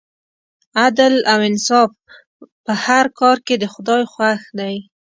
عدل او انصاف په هر کار کې د خدای خوښ دی.